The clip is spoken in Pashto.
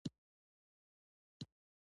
نبي کريم ص به همېش مشوره کوله.